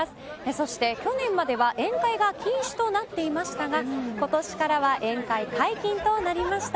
そして、去年までは宴会が禁止となっていましたが今年からは宴会解禁となりました。